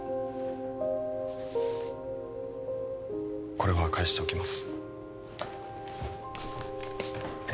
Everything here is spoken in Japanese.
これは返しておきます